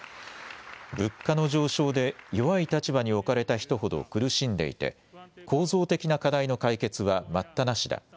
物価の上昇で弱い立場に置かれた人ほど苦しんでいて、構造的な課題の解決は待ったなしだ。